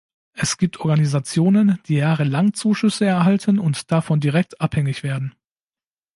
Es gibt Organisationen, die jahrelang Zuschüsse erhalten und davon direkt abhängig werden.